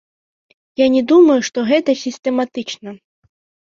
Я не думаю, што гэта сістэматычна.